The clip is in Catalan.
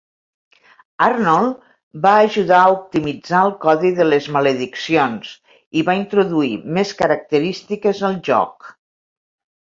Arnold va ajudar a optimitzar el codi de les malediccions i va introduir més característiques al joc.